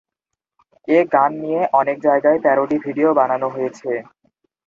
এ গান নিয়ে অনেক জায়গায় প্যারোডি ভিডিও বানানো হয়েছে।